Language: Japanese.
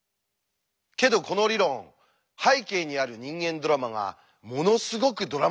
けどこの理論背景にある人間ドラマがものすごくドラマチックなんです。